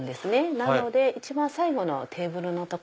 なので一番最後のテーブルの所。